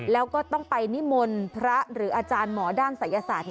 แล้วก็ต้องไปนิมนต์พระหรืออาจารย์หมอด้านศัยศาสตร์